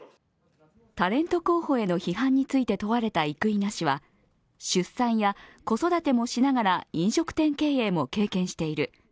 タレント候補への批判について問われ生稲氏は、出産や子育てもしながら飲食店経営も経験している。